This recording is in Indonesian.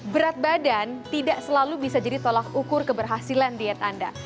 berat badan tidak selalu bisa jadi tolak ukur keberhasilan diet anda